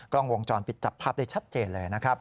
กล้องวงจรปิดจับภาพได้ชัดเจนเลยนะครับ